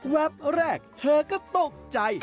แป๊บแรกเธอก็ตกใจ